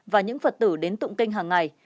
và những phật tử đến tụng kinh hàng ngày